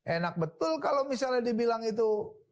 enak betul kalau misalnya dibilang itu